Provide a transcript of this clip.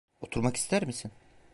Oturmak ister misin?